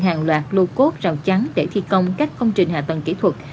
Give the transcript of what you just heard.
hàng loạt lô cốt rào chắn để thi công các công trình hạ tầng kỹ thuật